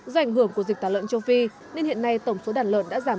do ảnh hưởng của dịch tả lợn châu phi nên hiện nay tổng số đàn lợn đã giảm bốn mươi hai